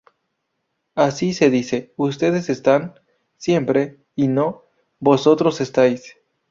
Así, se dice "ustedes están" siempre, y no "vosotros estáis".